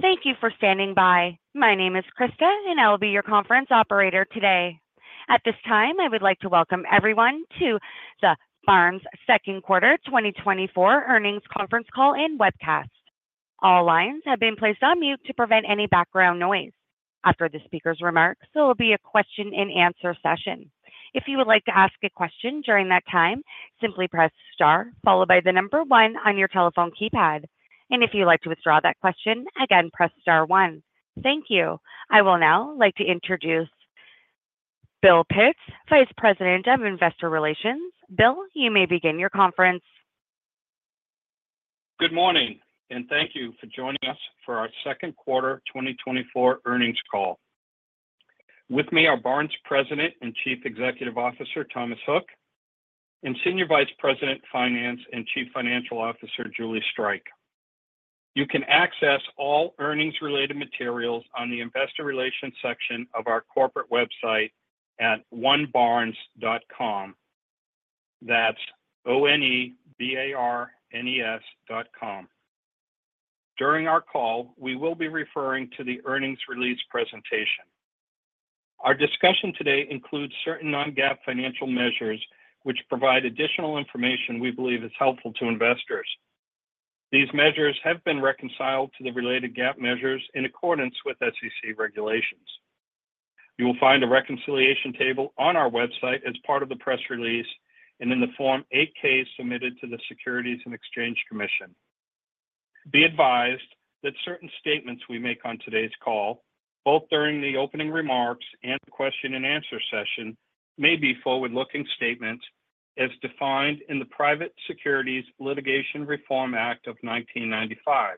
Thank you for standing by. My name is Krista, and I will be your conference operator today. At this time, I would like to welcome everyone to the Barnes Second Quarter 2024 Earnings Conference Call and Webcast. All lines have been placed on mute to prevent any background noise. After the speaker's remarks, there will be a question-and-answer session. If you would like to ask a question during that time, simply press star, followed by the number one on your telephone keypad. If you'd like to withdraw that question, again, press star one. Thank you. I will now like to introduce Bill Pitts, Vice President of Investor Relations. Bill, you may begin your conference. Good morning, and thank you for joining us for our Second Quarter 2024 Earnings Call. With me are Barnes President and Chief Executive Officer Thomas Hook, and Senior Vice President Finance and Chief Financial Officer Julie Streich. You can access all earnings-related materials on the Investor Relations section of our corporate website at onebarnes.com. That's O-N-E-B-A-R-N-E-S dot com. During our call, we will be referring to the earnings release presentation. Our discussion today includes certain non-GAAP financial measures which provide additional information we believe is helpful to investors. These measures have been reconciled to the related GAAP measures in accordance with SEC regulations. You will find a reconciliation table on our website as part of the press release and in the Form 8-K submitted to the Securities and Exchange Commission. Be advised that certain statements we make on today's call, both during the opening remarks and the question-and-answer session, may be forward-looking statements as defined in the Private Securities Litigation Reform Act of 1995.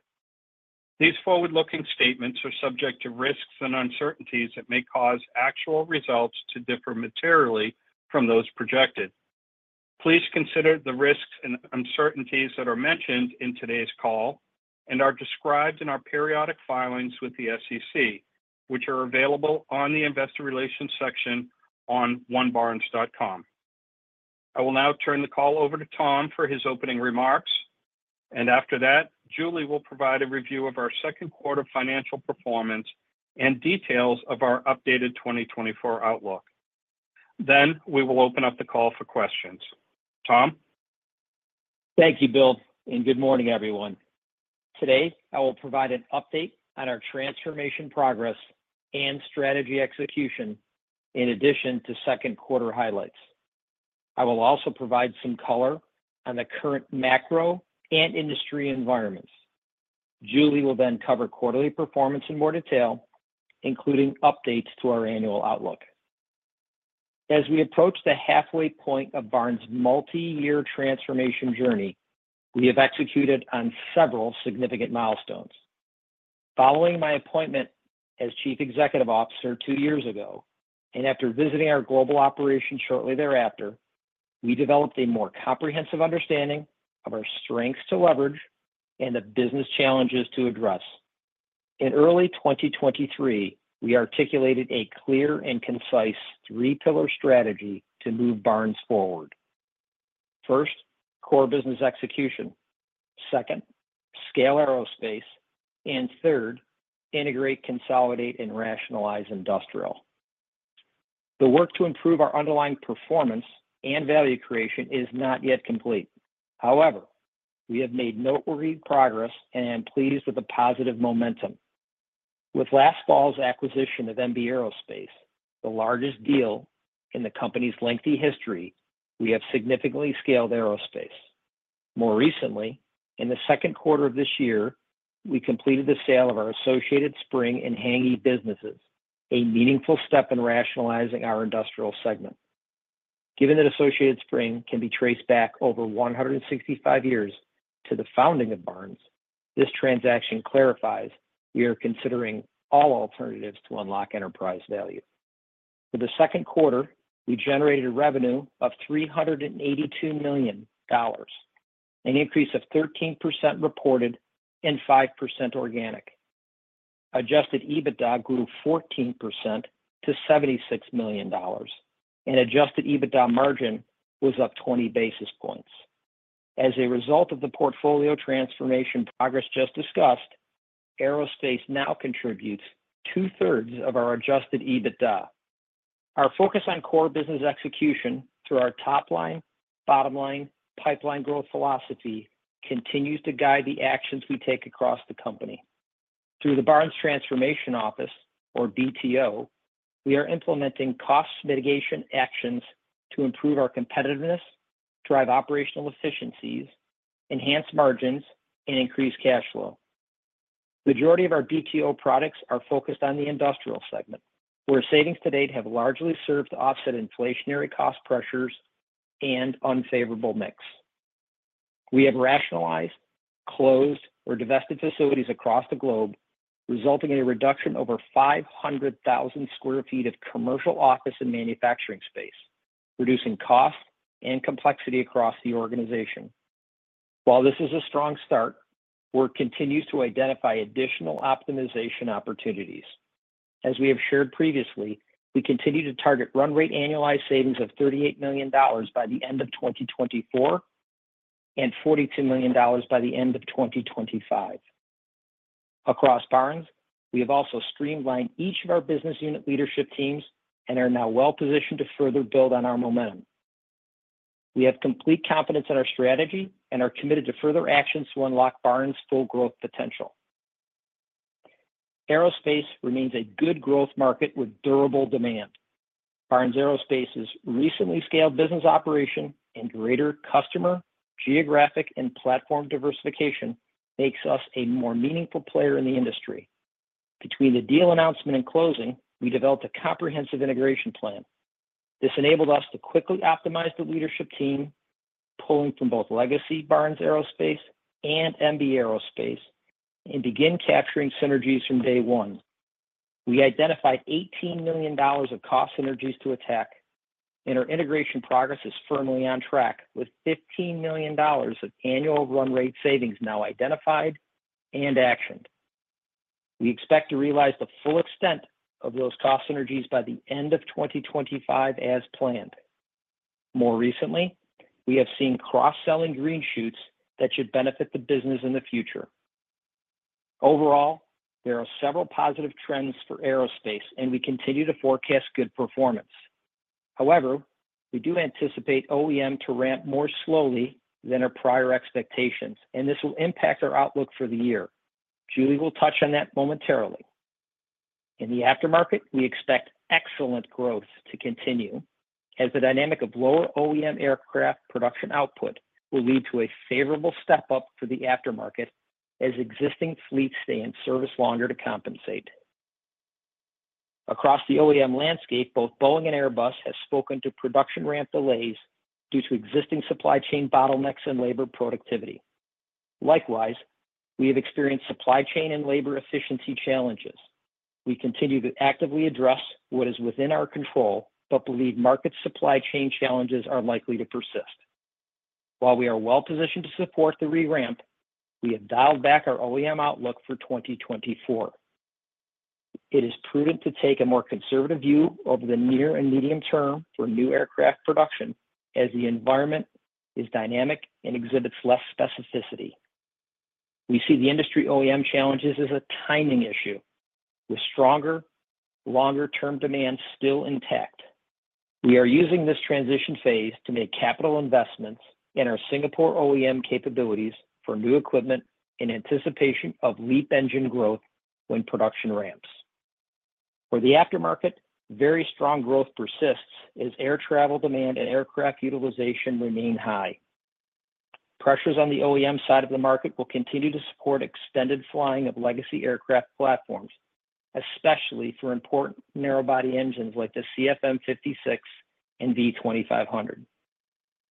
These forward-looking statements are subject to risks and uncertainties that may cause actual results to differ materially from those projected. Please consider the risks and uncertainties that are mentioned in today's call and are described in our periodic filings with the SEC, which are available on the Investor Relations section on onebarnes.com. I will now turn the call over to Tom for his opening remarks, and after that, Julie will provide a review of our second quarter financial performance and details of our updated 2024 outlook. Then we will open up the call for questions. Tom? Thank you, Bill, and good morning, everyone. Today, I will provide an update on our transformation progress and strategy execution in addition to second quarter highlights. I will also provide some color on the current macro and industry environments. Julie will then cover quarterly performance in more detail, including updates to our annual outlook. As we approach the halfway point of Barnes' multi-year transformation journey, we have executed on several significant milestones. Following my appointment as Chief Executive Officer two years ago, and after visiting our global operations shortly thereafter, we developed a more comprehensive understanding of our strengths to leverage and the business challenges to address. In early 2023, we articulated a clear and concise three-pillar strategy to move Barnes forward. First, core business execution. Second, scale aerospace. And third, integrate, consolidate, and rationalize industrial. The work to improve our underlying performance and value creation is not yet complete. However, we have made noteworthy progress and I'm pleased with the positive momentum. With last fall's acquisition of MB Aerospace, the largest deal in the company's lengthy history, we have significantly scaled aerospace. More recently, in the second quarter of this year, we completed the sale of our Associated Spring and Hänggi businesses, a meaningful step in rationalizing our industrial segment. Given that Associated Spring can be traced back over 165 years to the founding of Barnes, this transaction clarifies we are considering all alternatives to unlock enterprise value. For the second quarter, we generated a revenue of $382 million, an increase of 13% reported and 5% organic. Adjusted EBITDA grew 14% to $76 million, and adjusted EBITDA margin was up 20 basis points. As a result of the portfolio transformation progress just discussed, aerospace now contributes two-thirds of our adjusted EBITDA. Our focus on core business execution through our top line, bottom line, pipeline growth philosophy continues to guide the actions we take across the company. Through the Barnes Transformation Office, or BTO, we are implementing cost mitigation actions to improve our competitiveness, drive operational efficiencies, enhance margins, and increase cash flow. The majority of our BTO products are focused on the industrial segment, where savings to date have largely served to offset inflationary cost pressures and unfavorable mix. We have rationalized, closed, or divested facilities across the globe, resulting in a reduction of over 500,000 sq ft of commercial office and manufacturing space, reducing cost and complexity across the organization. While this is a strong start, work continues to identify additional optimization opportunities. As we have shared previously, we continue to target run-rate annualized savings of $38 million by the end of 2024 and $42 million by the end of 2025. Across Barnes, we have also streamlined each of our business unit leadership teams and are now well-positioned to further build on our momentum. We have complete confidence in our strategy and are committed to further actions to unlock Barnes' full growth potential. Aerospace remains a good growth market with durable demand. Barnes Aerospace's recently scaled business operation and greater customer geographic and platform diversification makes us a more meaningful player in the industry. Between the deal announcement and closing, we developed a comprehensive integration plan. This enabled us to quickly optimize the leadership team, pulling from both legacy Barnes Aerospace and MB Aerospace, and begin capturing synergies from day one. We identified $18 million of cost synergies to attack, and our integration progress is firmly on track with $15 million of annual run-rate savings now identified and actioned. We expect to realize the full extent of those cost synergies by the end of 2025 as planned. More recently, we have seen cross-selling green shoots that should benefit the business in the future. Overall, there are several positive trends for aerospace, and we continue to forecast good performance. However, we do anticipate OEM to ramp more slowly than our prior expectations, and this will impact our outlook for the year. Julie will touch on that momentarily. In the aftermarket, we expect excellent growth to continue as the dynamic of lower OEM aircraft production output will lead to a favorable step-up for the aftermarket as existing fleets stay in service longer to compensate. Across the OEM landscape, both Boeing and Airbus have spoken to production ramp delays due to existing supply chain bottlenecks and labor productivity. Likewise, we have experienced supply chain and labor efficiency challenges. We continue to actively address what is within our control but believe market supply chain challenges are likely to persist. While we are well-positioned to support the re-ramp, we have dialed back our OEM outlook for 2024. It is prudent to take a more conservative view over the near and medium term for new aircraft production as the environment is dynamic and exhibits less specificity. We see the industry OEM challenges as a timing issue, with stronger, longer-term demand still intact. We are using this transition phase to make capital investments in our Singapore OEM capabilities for new equipment in anticipation of LEAP engine growth when production ramps. For the aftermarket, very strong growth persists as air travel demand and aircraft utilization remain high. Pressures on the OEM side of the market will continue to support extended flying of legacy aircraft platforms, especially for important narrow-body engines like the CFM56 and V2500.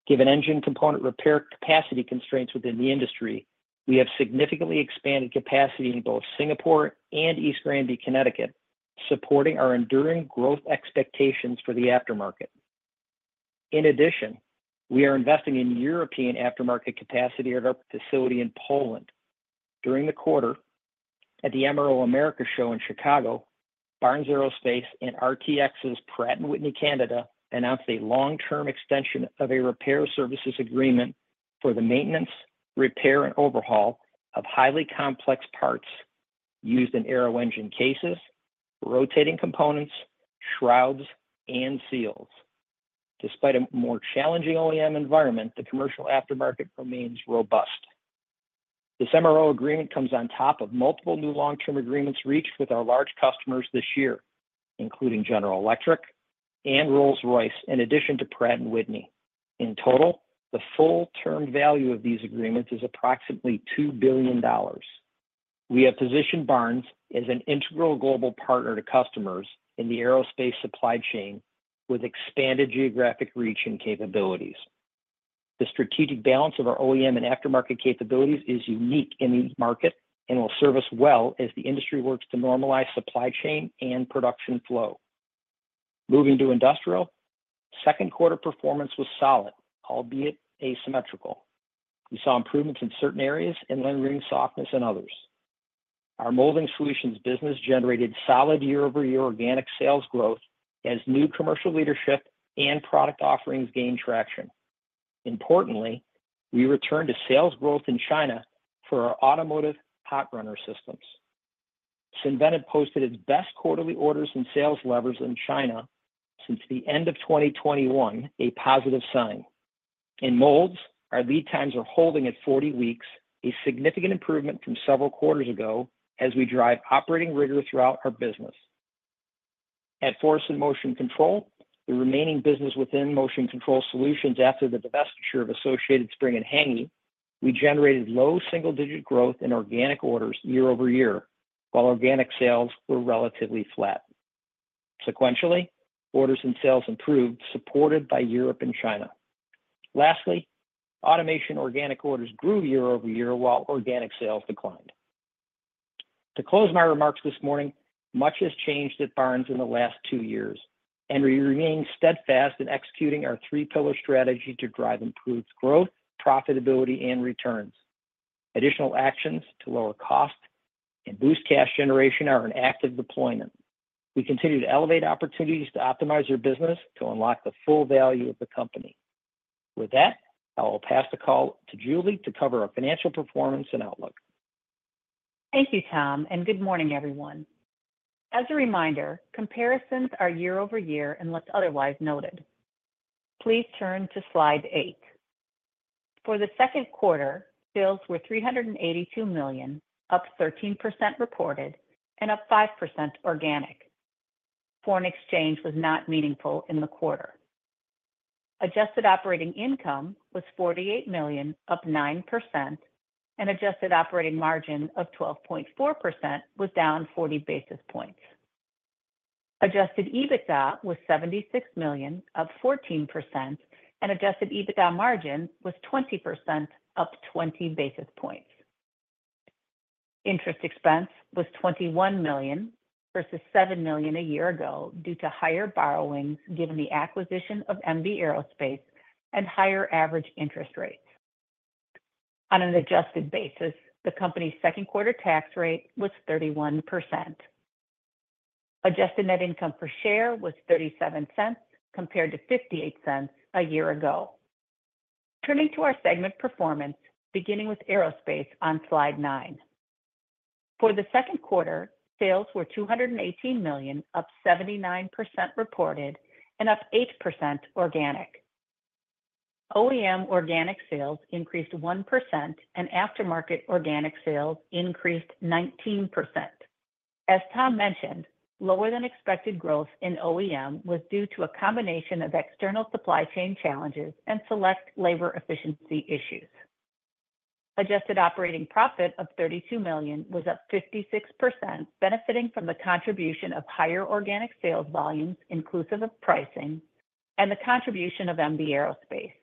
Given engine component repair capacity constraints within the industry, we have significantly expanded capacity in both Singapore and East Granby, Connecticut, supporting our enduring growth expectations for the aftermarket. In addition, we are investing in European aftermarket capacity at our facility in Poland. During the quarter, at the MRO Americas Show in Chicago, Barnes Aerospace and RTX's Pratt & Whitney Canada announced a long-term extension of a repair services agreement for the maintenance, repair, and overhaul of highly complex parts used in aero engine cases, rotating components, shrouds, and seals. Despite a more challenging OEM environment, the commercial aftermarket remains robust. This MRO agreement comes on top of multiple new long-term agreements reached with our large customers this year, including General Electric and Rolls-Royce, in addition to Pratt & Whitney. In total, the full term value of these agreements is approximately $2 billion. We have positioned Barnes as an integral global partner to customers in the aerospace supply chain with expanded geographic reach and capabilities. The strategic balance of our OEM and aftermarket capabilities is unique in the market and will serve us well as the industry works to normalize supply chain and production flow. Moving to Industrial, second quarter performance was solid, albeit asymmetrical. We saw improvements in certain areas and lingering softness in others. Our Molding Solutions business generated solid year-over-year organic sales growth as new commercial leadership and product offerings gained traction. Importantly, we returned to sales growth in China for our automotive hot runner systems. Synventive posted its best quarterly orders and sales levels in China since the end of 2021, a positive sign. In molds, our lead times are holding at 40 weeks, a significant improvement from several quarters ago as we drive operating rigor throughout our business. At Force and Motion Control, the remaining business within Motion Control Solutions after the divestiture of Associated Spring and Hänggi, we generated low single-digit growth in organic orders year-over-year, while organic sales were relatively flat. Sequentially, orders and sales improved, supported by Europe and China. Lastly, Automation organic orders grew year-over-year while organic sales declined. To close my remarks this morning, much has changed at Barnes in the last two years, and we remain steadfast in executing our three-pillar strategy to drive improved growth, profitability, and returns. Additional actions to lower cost and boost cash generation are in active deployment. We continue to elevate opportunities to optimize your business to unlock the full value of the company. With that, I will pass the call to Julie to cover our financial performance and outlook. Thank you, Tom, and good morning, everyone. As a reminder, comparisons are year-over-year unless otherwise noted. Please turn to slide eight. For the second quarter, sales were $382 million, up 13% reported, and up 5% organic. Foreign exchange was not meaningful in the quarter. Adjusted operating income was $48 million, up 9%, and adjusted operating margin of 12.4% was down 40 basis points. Adjusted EBITDA was $76 million, up 14%, and adjusted EBITDA margin was 20%, up 20 basis points. Interest expense was $21 million versus $7 million a year ago due to higher borrowings given the acquisition of MB Aerospace and higher average interest rates. On an adjusted basis, the company's second quarter tax rate was 31%. Adjusted net income per share was $0.37 compared to $0.58 a year ago. Turning to our segment performance, beginning with aerospace on slide nine. For the second quarter, sales were $218 million, up 79% reported, and up 8% organic. OEM organic sales increased 1%, and aftermarket organic sales increased 19%. As Tom mentioned, lower than expected growth in OEM was due to a combination of external supply chain challenges and select labor efficiency issues. Adjusted operating profit of $32 million was up 56%, benefiting from the contribution of higher organic sales volumes, inclusive of pricing, and the contribution of MB Aerospace.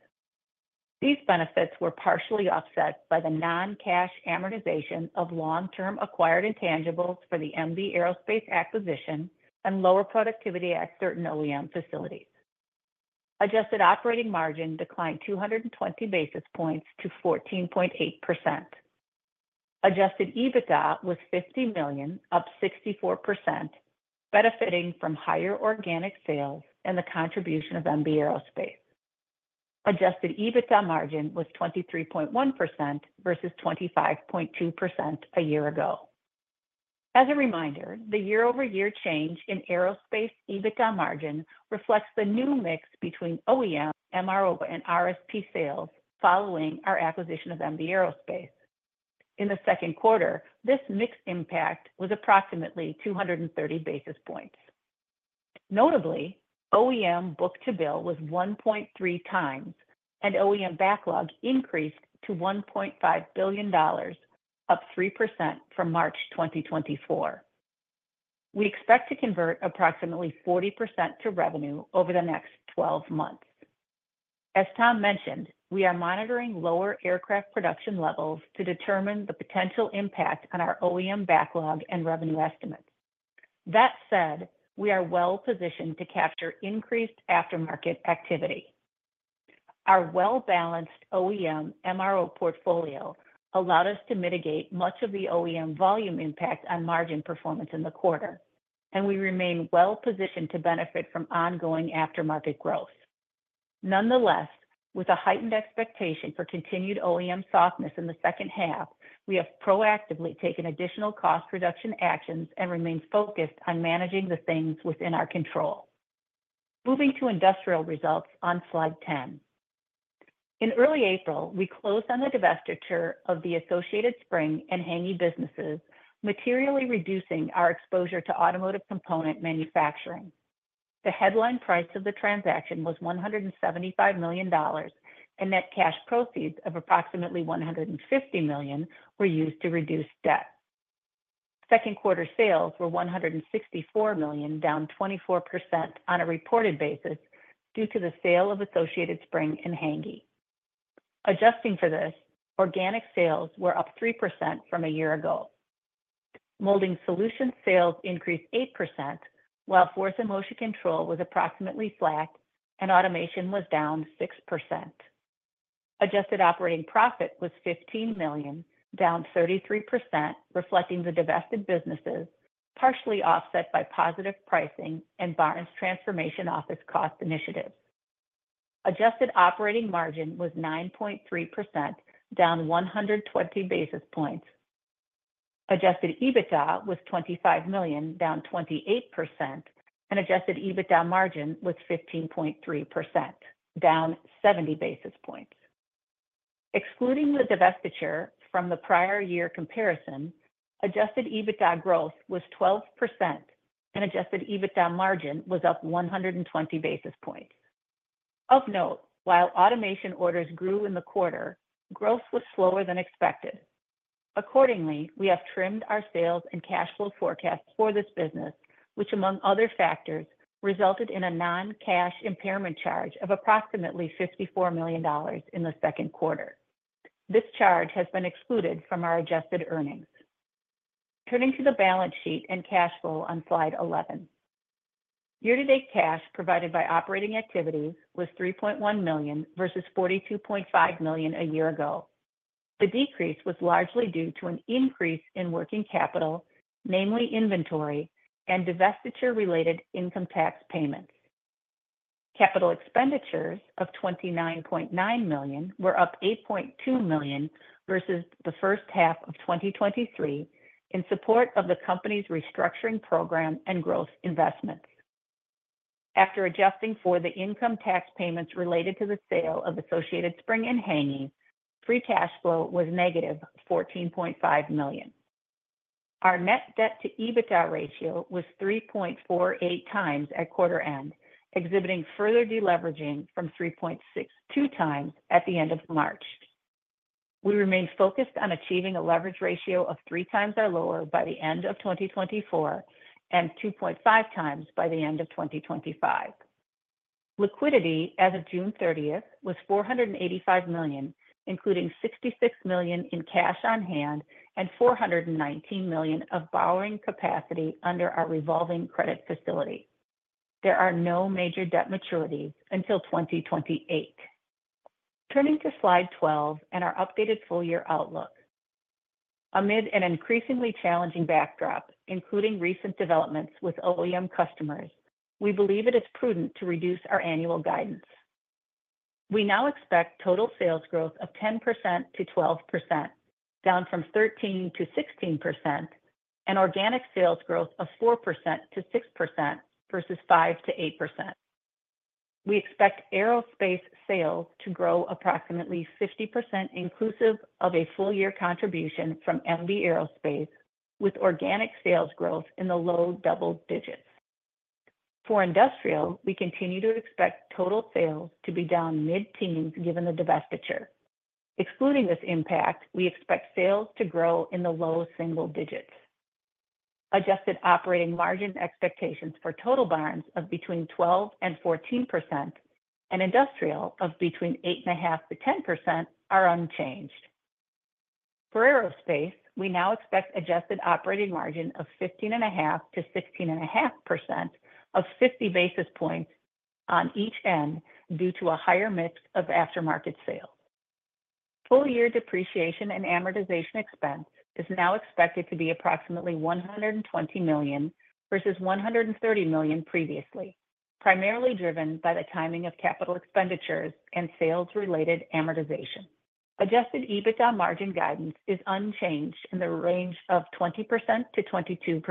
These benefits were partially offset by the non-cash amortization of long-term acquired intangibles for the MB Aerospace acquisition and lower productivity at certain OEM facilities. Adjusted operating margin declined 220 basis points to 14.8%. Adjusted EBITDA was $50 million, up 64%, benefiting from higher organic sales and the contribution of MB Aerospace. Adjusted EBITDA margin was 23.1% versus 25.2% a year ago. As a reminder, the year-over-year change in aerospace EBITDA margin reflects the new mix between OEM, MRO, and RSP sales following our acquisition of MB Aerospace. In the second quarter, this mixed impact was approximately 230 basis points. Notably, OEM book-to-bill was 1.3x, and OEM backlog increased to $1.5 billion, up 3% from March 2024. We expect to convert approximately 40% to revenue over the next 12 months. As Tom mentioned, we are monitoring lower aircraft production levels to determine the potential impact on our OEM backlog and revenue estimates. That said, we are well-positioned to capture increased aftermarket activity. Our well-balanced OEM/MRO portfolio allowed us to mitigate much of the OEM volume impact on margin performance in the quarter, and we remain well-positioned to benefit from ongoing aftermarket growth. Nonetheless, with a heightened expectation for continued OEM softness in the second half, we have proactively taken additional cost reduction actions and remained focused on managing the things within our control. Moving to industrial results on slide 10. In early April, we closed on the divestiture of the Associated Spring and Hänggi businesses, materially reducing our exposure to automotive component manufacturing. The headline price of the transaction was $175 million, and net cash proceeds of approximately $150 million were used to reduce debt. Second quarter sales were $164 million, down 24% on a reported basis due to the sale of Associated Spring and Hänggi. Adjusting for this, organic sales were up 3% from a year ago. Molding Solutions sales increased 8%, while Force and Motion Control was approximately flat, and Automation was down 6%. Adjusted operating profit was $15 million, down 33%, reflecting the divested businesses, partially offset by positive pricing and Barnes Transformation Office cost initiatives. Adjusted operating margin was 9.3%, down 120 basis points. Adjusted EBITDA was $25 million, down 28%, and adjusted EBITDA margin was 15.3%, down 70 basis points. Excluding the divestiture from the prior year comparison, adjusted EBITDA growth was 12%, and adjusted EBITDA margin was up 120 basis points. Of note, while automation orders grew in the quarter, growth was slower than expected. Accordingly, we have trimmed our sales and cash flow forecasts for this business, which, among other factors, resulted in a non-cash impairment charge of approximately $54 million in the second quarter. This charge has been excluded from our adjusted earnings. Turning to the balance sheet and cash flow on slide 11. Year-to-date cash provided by operating activities was $3.1 million versus $42.5 million a year ago. The decrease was largely due to an increase in working capital, namely inventory and divestiture-related income tax payments. Capital expenditures of $29.9 million were up $8.2 million versus the first half of 2023 in support of the company's restructuring program and growth investments. After adjusting for the income tax payments related to the sale of Associated Spring and Hänggi, free cash flow was negative $14.5 million. Our net debt-to-EBITDA ratio was 3.48 times at quarter end, exhibiting further deleveraging from 3.62 times at the end of March. We remain focused on achieving a leverage ratio of three times or lower by the end of 2024 and 2.5 times by the end of 2025. Liquidity as of June 30 was $485 million, including $66 million in cash on hand and $419 million of borrowing capacity under our revolving credit facility. There are no major debt maturities until 2028. Turning to slide 12 and our updated full-year outlook. Amid an increasingly challenging backdrop, including recent developments with OEM customers, we believe it is prudent to reduce our annual guidance. We now expect total sales growth of 10%-12%, down from 13%-16%, and organic sales growth of 4%-6% versus 5%-8%. We expect aerospace sales to grow approximately 50% inclusive of a full-year contribution from MB Aerospace, with organic sales growth in the low double digits. For industrial, we continue to expect total sales to be down mid-teens given the divestiture. Excluding this impact, we expect sales to grow in the low single digits. Adjusted operating margin expectations for total Barnes of between 12%-14% and industrial of between 8.5%-10% are unchanged. For aerospace, we now expect adjusted operating margin of 15.5%-16.5% up 50 basis points on each end due to a higher mix of aftermarket sales. Full-year depreciation and amortization expense is now expected to be approximately $120 million versus $130 million previously, primarily driven by the timing of capital expenditures and sales-related amortization. Adjusted EBITDA margin guidance is unchanged in the range of 20%-22%.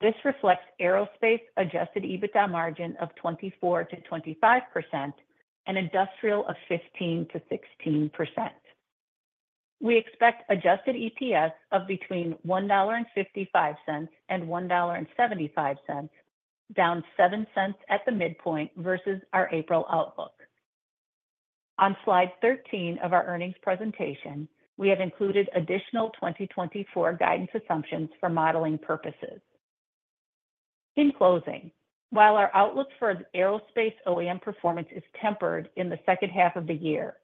This reflects aerospace adjusted EBITDA margin of 24%-25% and industrial of 15%-16%. We expect adjusted EPS of between $1.55-$1.75, down $0.07 at the midpoint versus our April outlook. On slide 13 of our earnings presentation, we have included additional 2024 guidance assumptions for modeling purposes. In closing, while our outlook for aerospace OEM performance is tempered in the second half of the year,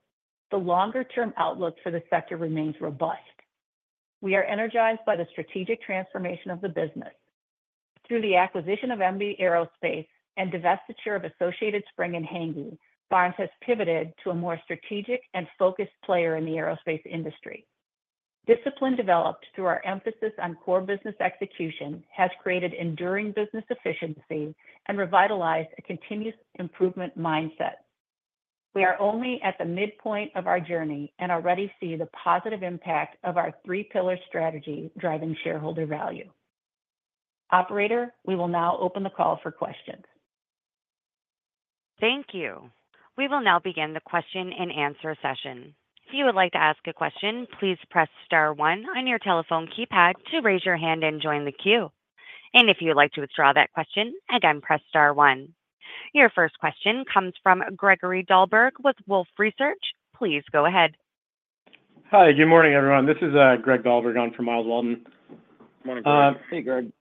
the longer-term outlook for the sector remains robust. We are energized by the strategic transformation of the business. Through the acquisition of MB Aerospace and divestiture of Associated Spring and Hänggi, Barnes has pivoted to a more strategic and focused player in the aerospace industry. Discipline developed through our emphasis on core business execution has created enduring business efficiency and revitalized a continuous improvement mindset. We are only at the midpoint of our journey and already see the positive impact of our three-pillar strategy driving shareholder value. Operator, we will now open the call for questions. Thank you. We will now begin the question-and-answer session. If you would like to ask a question, please press star one on your telephone keypad to raise your hand and join the queue. And if you'd like to withdraw that question, again, press star one. Your first question comes from Greg Dahlberg with Wolfe Research. Please go ahead. Hi, good morning, everyone. This is Greg Dahlberg on for Myles Walton. Good morning, Greg. Hey, Greg.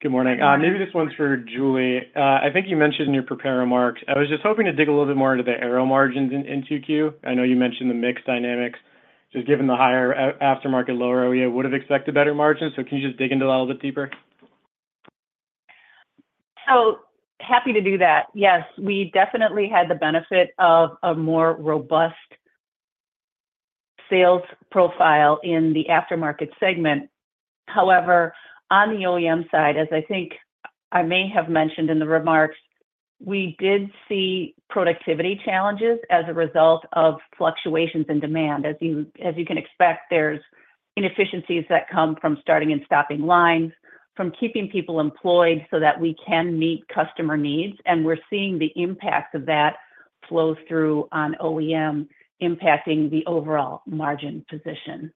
Good morning. Hi. Maybe this one's for Julie. I think you mentioned in your prepared remarks, I was just hoping to dig a little bit more into the aero margins in QQ. I know you mentioned the mixed dynamics. Just given the higher aftermarket lower OEM, would have expected better margins. So can you just dig into that a little bit deeper? So happy to do that. Yes, we definitely had the benefit of a more robust sales profile in the aftermarket segment. However, on the OEM side, as I think I may have mentioned in the remarks, we did see productivity challenges as a result of fluctuations in demand. As you can expect, there's inefficiencies that come from starting and stopping lines, from keeping people employed so that we can meet customer needs. And we're seeing the impact of that flow through on OEM, impacting the overall margin position.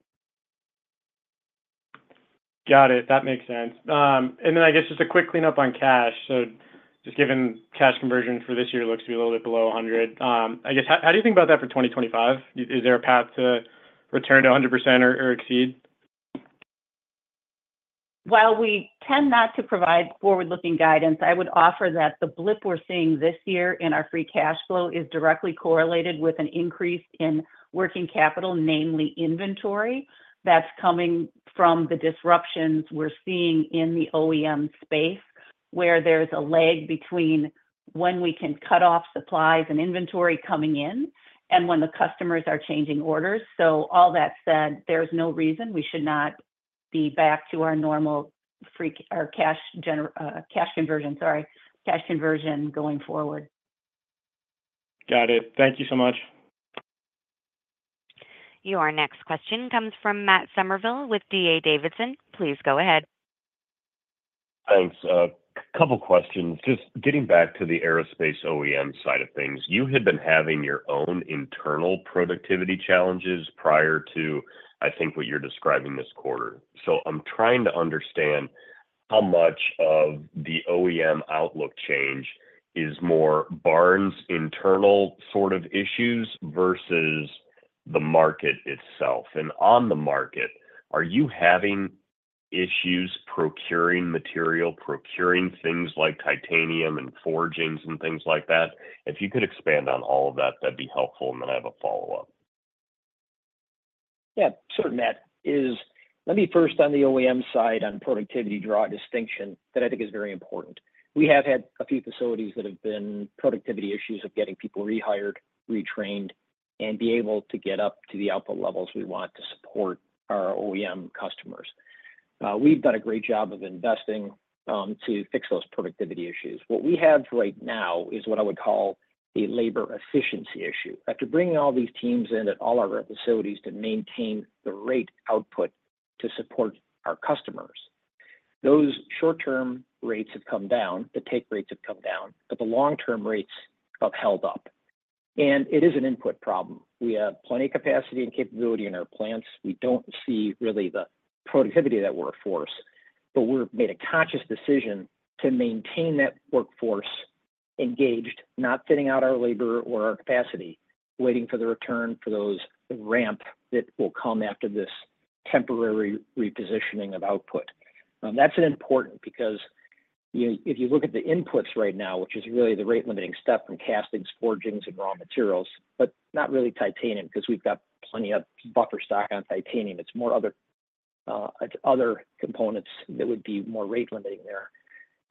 Got it. That makes sense. And then I guess just a quick cleanup on cash. So just given cash conversion for this year looks to be a little bit below 100%. I guess, how do you think about that for 2025? Is there a path to return to 100% or exceed? While we tend not to provide forward-looking guidance, I would offer that the blip we're seeing this year in our free cash flow is directly correlated with an increase in working capital, namely inventory, that's coming from the disruptions we're seeing in the OEM space, where there's a lag between when we can cut off supplies and inventory coming in and when the customers are changing orders. So all that said, there's no reason we should not be back to our normal cash conversion, sorry, cash conversion going forward. Got it. Thank you so much. Your next question comes from Matt Somerville with D.A. Davidson. Please go ahead. Thanks. A couple of questions. Just getting back to the aerospace OEM side of things, you had been having your own internal productivity challenges prior to, I think, what you're describing this quarter. So I'm trying to understand how much of the OEM outlook change is more Barnes internal sort of issues versus the market itself. And on the market, are you having issues procuring material, procuring things like titanium and forgings and things like that? If you could expand on all of that, that'd be helpful, and then I have a follow-up. Yeah, certainly. Let me first, on the OEM side, on productivity draw distinction that I think is very important. We have had a few facilities that have been productivity issues of getting people rehired, retrained, and be able to get up to the output levels we want to support our OEM customers. We've done a great job of investing to fix those productivity issues. What we have right now is what I would call a labor efficiency issue. After bringing all these teams in at all our facilities to maintain the rate output to support our customers, those short-term rates have come down, the take rates have come down, but the long-term rates have held up. It is an input problem. We have plenty of capacity and capability in our plants. We don't see really the productivity of that workforce, but we've made a conscious decision to maintain that workforce engaged, not thinning out our labor or our capacity, waiting for the return for those ramp that will come after this temporary repositioning of output. That's important because if you look at the inputs right now, which is really the rate-limiting step from castings, forgings, and raw materials, but not really titanium because we've got plenty of buffer stock on titanium. It's more other components that would be more rate-limiting there.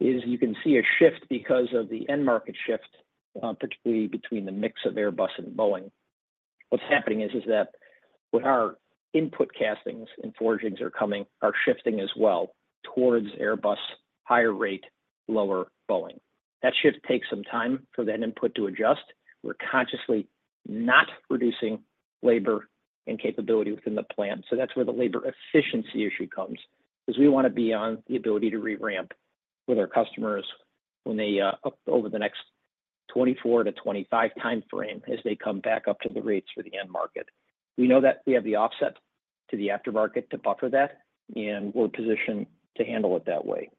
You can see a shift because of the end market shift, particularly between the mix of Airbus and Boeing. What's happening is that our input castings and forgings are shifting as well towards Airbus, higher rate, lower Boeing. That shift takes some time for that input to adjust. We're consciously not reducing labor and capability within the plant. So that's where the labor efficiency issue comes because we want to be on the ability to re-ramp with our customers over the next 2024-2025 timeframe as they come back up to the rates for the end market. We know that we have the offset to the aftermarket to buffer that, and we're positioned to handle it that way.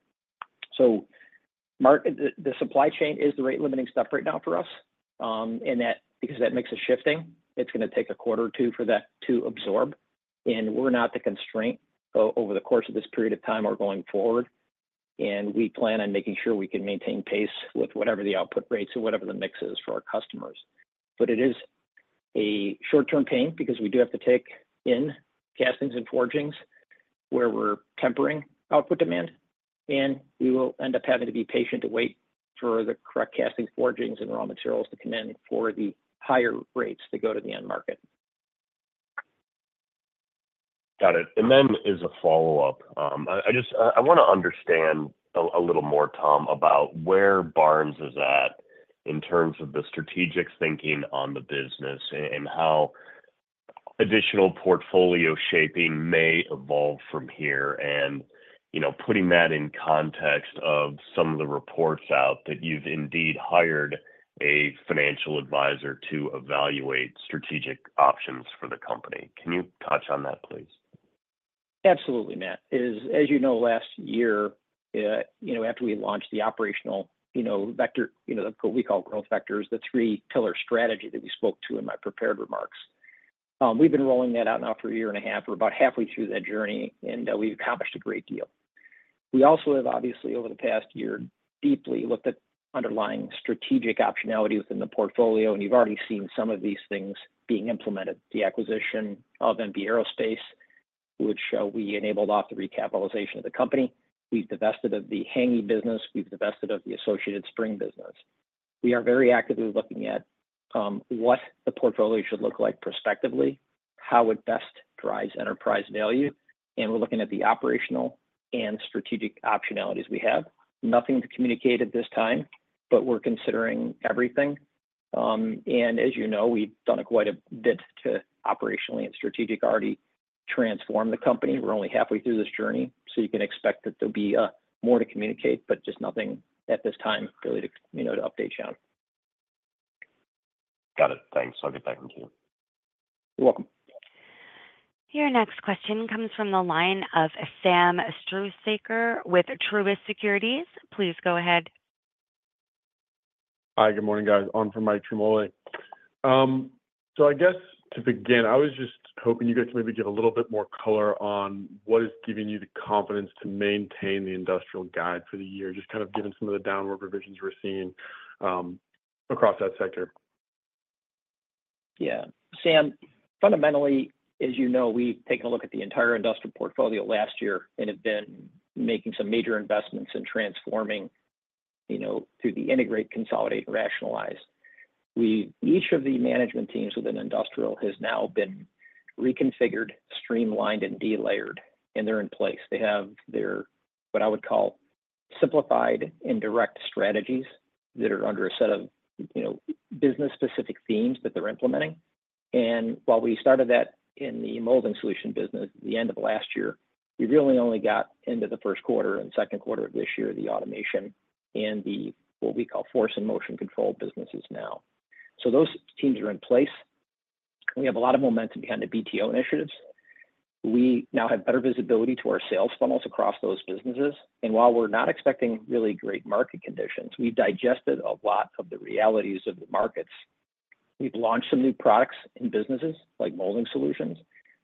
So the supply chain is the rate-limiting stuff right now for us. And because that makes a shifting, it's going to take a quarter or two for that to absorb. And we're not the constraint over the course of this period of time or going forward. And we plan on making sure we can maintain pace with whatever the output rates or whatever the mix is for our customers. But it is a short-term pain because we do have to take in castings and forgings where we're tempering output demand. And we will end up having to be patient to wait for the correct castings, forgings, and raw materials to come in for the higher rates to go to the end market. Got it. Then as a follow-up, I want to understand a little more, Tom, about where Barnes is at in terms of the strategic thinking on the business and how additional portfolio shaping may evolve from here. Putting that in context of some of the reports out that you've indeed hired a financial advisor to evaluate strategic options for the company. Can you touch on that, please? Absolutely, Matt. As you know, last year, after we launched the operational vector, what we call growth vectors, the three-pillar strategy that we spoke to in my prepared remarks, we've been rolling that out now for a year and a half, we're about halfway through that journey, and we've accomplished a great deal. We also have, obviously, over the past year, deeply looked at underlying strategic optionality within the portfolio. You've already seen some of these things being implemented. The acquisition of MB Aerospace, which we enabled off the recapitalization of the company. We've divested of the Hänggi business. We've divested of the Associated Spring business. We are very actively looking at what the portfolio should look like prospectively, how it best drives enterprise value. We're looking at the operational and strategic optionalities we have. Nothing to communicate at this time, but we're considering everything. As you know, we've done quite a bit to operationally and strategically already transform the company. We're only halfway through this journey. So you can expect that there'll be more to communicate, but just nothing at this time really to update you on. Got it. Thanks. I'll get back in tune with you. You're welcome. Your next question comes from the line of Sam Struhsaker with Truist Securities. Please go ahead. Hi, good morning, guys. On from Mike Ciarmoli. So I guess to begin, I was just hoping you guys could maybe get a little bit more color on what is giving you the confidence to maintain the industrial guide for the year, just kind of given some of the downward revisions we're seeing across that sector. Yeah. Sam, fundamentally, as you know, we've taken a look at the entire industrial portfolio last year and have been making some major investments in transforming through the integrate, consolidate, and rationalize. Each of the management teams within industrial has now been reconfigured, streamlined, and delayered, and they're in place. They have their, what I would call, simplified indirect strategies that are under a set of business-specific themes that they're implementing. And while we started that in the Molding Solutions business at the end of last year, we really only got into the first quarter and second quarter of this year the Automation and the what we call Force and Motion Control businesses now. So those teams are in place. We have a lot of momentum behind the BTO initiatives. We now have better visibility to our sales funnels across those businesses. While we're not expecting really great market conditions, we've digested a lot of the realities of the markets. We've launched some new products and businesses like molding solutions.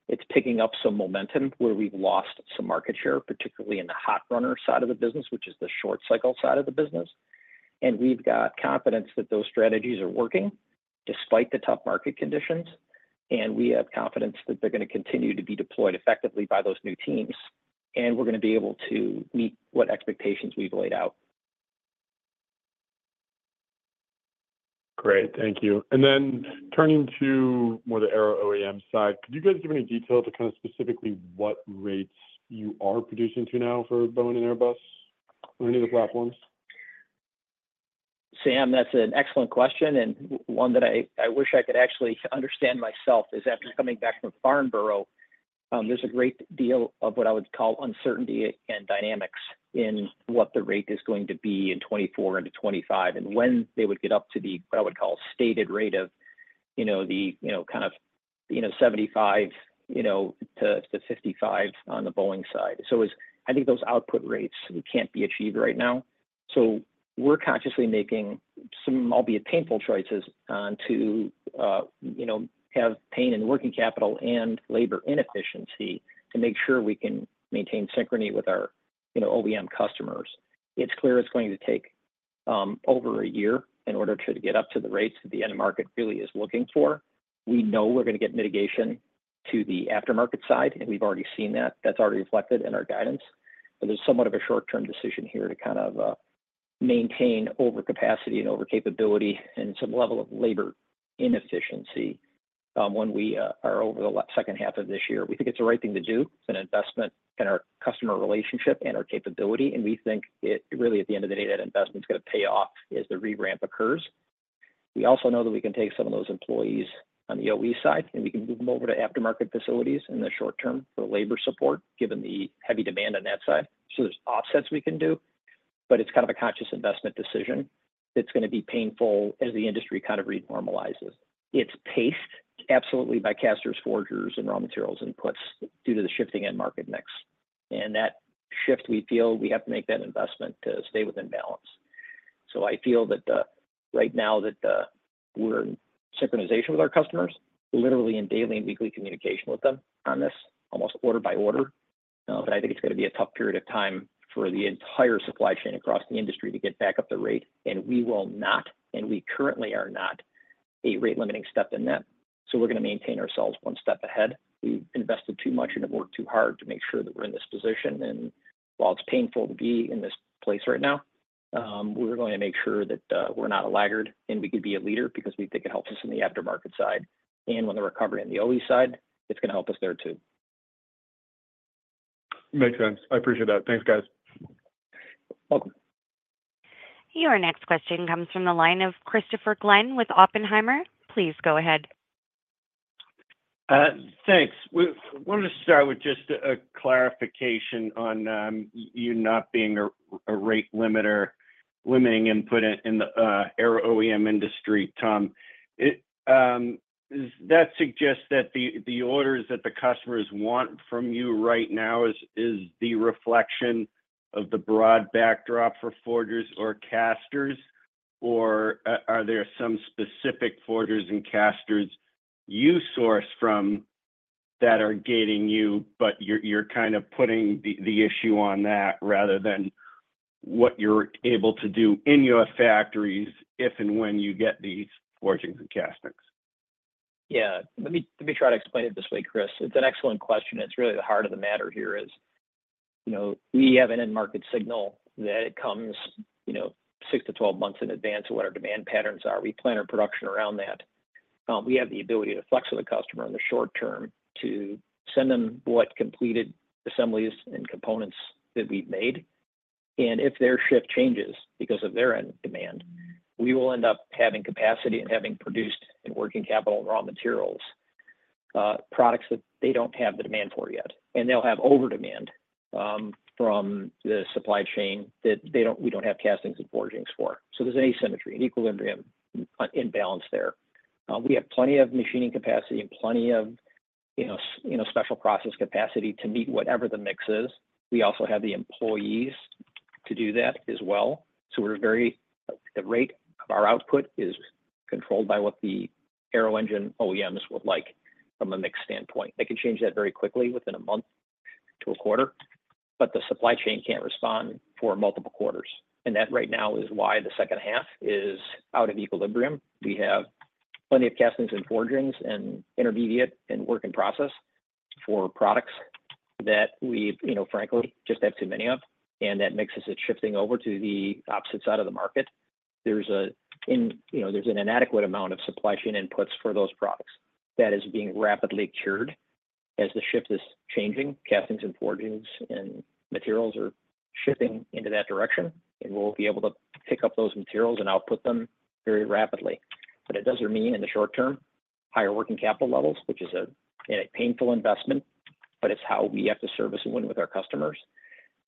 It's picking up some momentum where we've lost some market share, particularly in the hot runner side of the business, which is the short cycle side of the business. We've got confidence that those strategies are working despite the tough market conditions. We have confidence that they're going to continue to be deployed effectively by those new teams. We're going to be able to meet what expectations we've laid out. Great. Thank you. Then turning to more the aero OEM side, could you guys give any detail to kind of specifically what rates you are producing to now for Boeing and Airbus or any of the platforms? Sam, that's an excellent question. And one that I wish I could actually understand myself is after coming back from Farnborough, there's a great deal of what I would call uncertainty and dynamics in what the rate is going to be in 2024 into 2025 and when they would get up to the, what I would call, stated rate of the kind of 75-55 on the Boeing side. So I think those output rates can't be achieved right now. So we're consciously making some, albeit painful, choices to have pain in working capital and labor inefficiency to make sure we can maintain synchrony with our OEM customers. It's clear it's going to take over a year in order to get up to the rates that the end market really is looking for. We know we're going to get mitigation to the aftermarket side, and we've already seen that. That's already reflected in our guidance. But there's somewhat of a short-term decision here to kind of maintain overcapacity and overcapability and some level of labor inefficiency when we are over the second half of this year. We think it's the right thing to do. It's an investment in our customer relationship and our capability. And we think really at the end of the day, that investment's going to pay off as the re-ramp occurs. We also know that we can take some of those employees on the OE side, and we can move them over to aftermarket facilities in the short term for labor support, given the heavy demand on that side. So there's offsets we can do, but it's kind of a conscious investment decision that's going to be painful as the industry kind of renormalizes. It's paced absolutely by casters, forgers, and raw materials inputs due to the shifting end market mix. And that shift, we feel we have to make that investment to stay within balance. So I feel that right now that we're in synchronization with our customers, literally in daily and weekly communication with them on this, almost order by order. But I think it's going to be a tough period of time for the entire supply chain across the industry to get back up the rate. And we will not, and we currently are not a rate-limiting step in that. So we're going to maintain ourselves one step ahead. We've invested too much and have worked too hard to make sure that we're in this position. While it's painful to be in this place right now, we're going to make sure that we're not a laggard and we could be a leader because we think it helps us in the aftermarket side. When the recovery on the OE side, it's going to help us there too. Makes sense. I appreciate that. Thanks, guys. You're welcome. Your next question comes from the line of Christopher Glynn with Oppenheimer. Please go ahead. Thanks. I wanted to start with just a clarification on you not being a rate limiter, limiting input in the OEM industry, Tom. Does that suggest that the orders that the customers want from you right now is the reflection of the broad backdrop for forgers or casters? Or are there some specific forgers and casters you source from that are gating you, but you're kind of putting the issue on that rather than what you're able to do in your factories if and when you get these forgings and castings? Yeah. Let me try to explain it this way, Chris. It's an excellent question. It's really the heart of the matter here is we have an end market signal that comes 6-12 months in advance of what our demand patterns are. We plan our production around that. We have the ability to flex with the customer in the short term to send them what completed assemblies and components that we've made. And if their shift changes because of their end demand, we will end up having capacity and having produced and working capital and raw materials, products that they don't have the demand for yet. And they'll have over-demand from the supply chain that we don't have castings and forgings for. So there's an asymmetry, an equilibrium imbalance there. We have plenty of machining capacity and plenty of special process capacity to meet whatever the mix is. We also have the employees to do that as well. So the rate of our output is controlled by what the aero engine OEMs would like from a mix standpoint. They can change that very quickly within a month to a quarter, but the supply chain can't respond for multiple quarters. And that right now is why the second half is out of equilibrium. We have plenty of castings and forgings and intermediate and work in process for products that we, frankly, just have too many of. And that makes us shifting over to the opposite side of the market. There's an inadequate amount of supply chain inputs for those products that is being rapidly cured as the shift is changing. Castings and forgings and materials are shifting into that direction. And we'll be able to pick up those materials and output them very rapidly. But it doesn't mean in the short term, higher working capital levels, which is a painful investment, but it's how we have to service and win with our customers.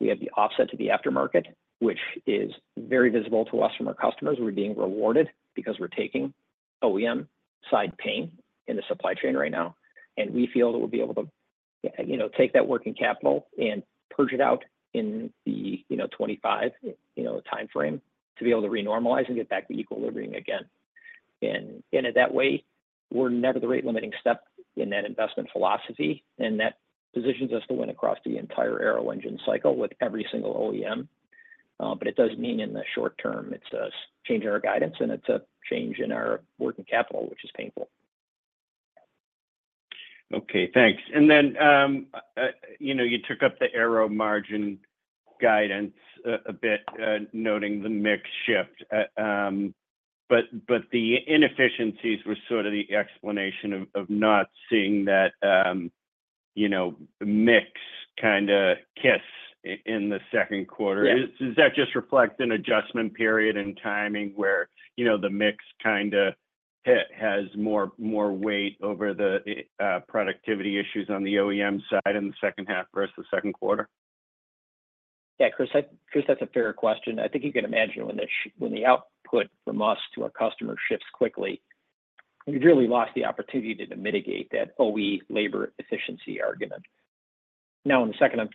We have the offset to the aftermarket, which is very visible to us from our customers. We're being rewarded because we're taking OEM-side pain in the supply chain right now. And we feel that we'll be able to take that working capital and purge it out in the 2025 timeframe to be able to renormalize and get back to equilibrium again. And in that way, we're never the rate-limiting step in that investment philosophy. And that positions us to win across the entire aero engine cycle with every single OEM. But it does mean in the short term, it's a change in our guidance, and it's a change in our working capital, which is painful. Okay. Thanks. And then you took up the aero margin guidance a bit, noting the mix shift. But the inefficiencies were sort of the explanation of not seeing that mix kind of kick in the second quarter. Does that just reflect an adjustment period in timing where the mix kind of has more weight over the productivity issues on the OEM side in the second half versus the second quarter? Yeah, Chris, that's a fair question. I think you can imagine when the output from us to our customer shifts quickly, we've really lost the opportunity to mitigate that OE labor efficiency argument. Now, in the second,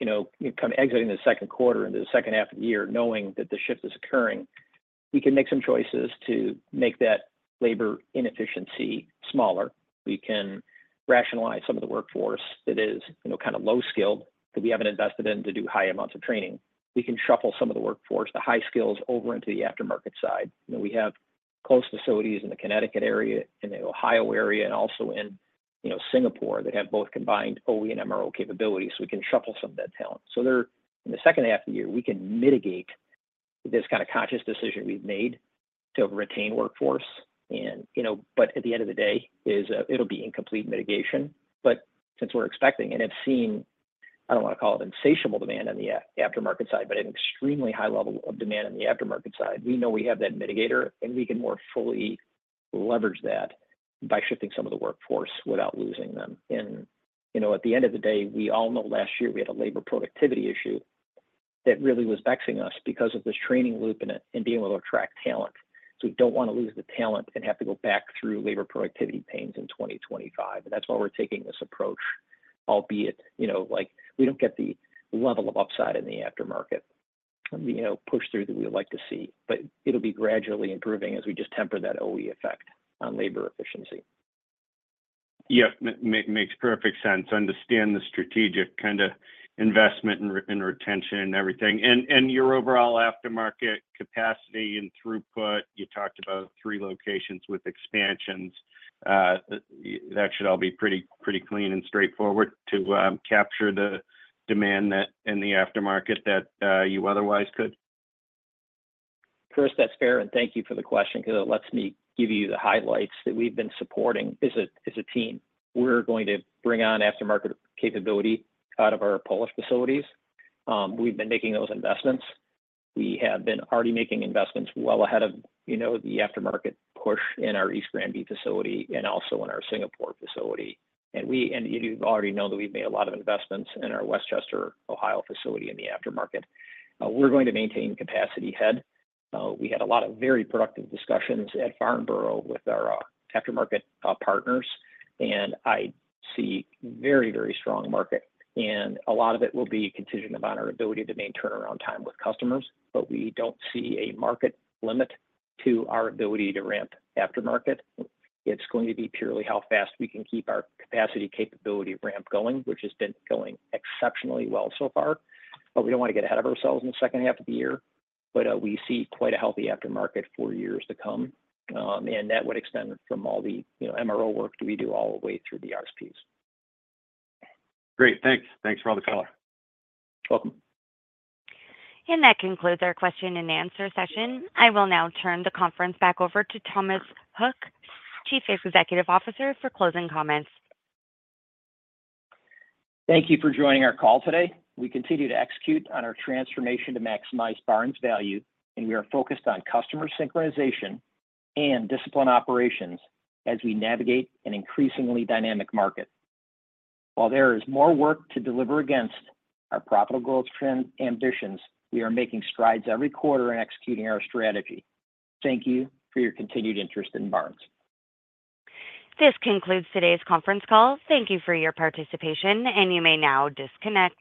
kind of exiting the second quarter into the second half of the year, knowing that the shift is occurring, we can make some choices to make that labor inefficiency smaller. We can rationalize some of the workforce that is kind of low-skilled that we haven't invested in to do high amounts of training. We can shuffle some of the workforce, the high skills, over into the aftermarket side. We have close facilities in the Connecticut area and the Ohio area and also in Singapore that have both combined OE and MRO capabilities. So we can shuffle some of that talent. So in the second half of the year, we can mitigate this kind of conscious decision we've made to retain workforce. But at the end of the day, it'll be incomplete mitigation. But since we're expecting and have seen, I don't want to call it insatiable demand on the aftermarket side, but an extremely high level of demand on the aftermarket side, we know we have that mitigator, and we can more fully leverage that by shifting some of the workforce without losing them. And at the end of the day, we all know last year we had a labor productivity issue that really was vexing us because of this training loop and being able to attract talent. So we don't want to lose the talent and have to go back through labor productivity pains in 2025. That's why we're taking this approach, albeit we don't get the level of upside in the aftermarket push through that we'd like to see. It'll be gradually improving as we just temper that OE effect on labor efficiency. Yep. Makes perfect sense. I understand the strategic kind of investment and retention and everything. Your overall aftermarket capacity and throughput, you talked about three locations with expansions. That should all be pretty clean and straightforward to capture the demand in the aftermarket that you otherwise could. Chris, that's fair. And thank you for the question because it lets me give you the highlights that we've been supporting as a team. We're going to bring on aftermarket capability out of our Polish facilities. We've been making those investments. We have been already making investments well ahead of the aftermarket push in our East Granby facility and also in our Singapore facility. And you already know that we've made a lot of investments in our West Chester, Ohio facility in the aftermarket. We're going to maintain capacity ahead. We had a lot of very productive discussions at Farnborough with our aftermarket partners. And I see very, very strong market. And a lot of it will be contingent upon our ability to maintain turnaround time with customers. But we don't see a market limit to our ability to ramp aftermarket. It's going to be purely how fast we can keep our capacity capability ramp going, which has been going exceptionally well so far. But we don't want to get ahead of ourselves in the second half of the year. But we see quite a healthy aftermarket for years to come. And that would extend from all the MRO work that we do all the way through the RSPs. Great. Thanks. Thanks for all the color. You're welcome. That concludes our question and answer session. I will now turn the conference back over to Thomas Hook, Chief Executive Officer, for closing comments. Thank you for joining our call today. We continue to execute on our transformation to maximize Barnes value, and we are focused on customer synchronization and disciplined operations as we navigate an increasingly dynamic market. While there is more work to deliver against our profitable growth trend ambitions, we are making strides every quarter in executing our strategy. Thank you for your continued interest in Barnes. This concludes today's conference call. Thank you for your participation, and you may now disconnect.